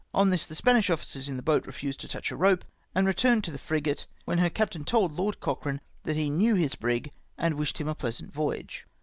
On this the Spanish officers in the boat refused to touch a rope, and returned to the frigate, when her captain told Lord Cochrane that he knew his brig, and wished him a pleasant voyage.